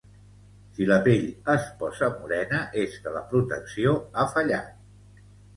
Si la pell es posa morena és que la protecció ha fallat